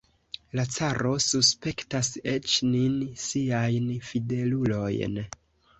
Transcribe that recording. La caro suspektas eĉ nin, siajn fidelulojn!